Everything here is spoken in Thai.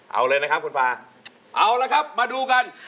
เอาเลยนะครับคุณฟ้าเอาละครับมาดูกัน